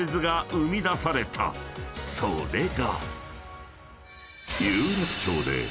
［それが］